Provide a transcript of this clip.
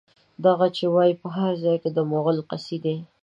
دغه چې وايي، په هر ځای کې د مغول قصيدې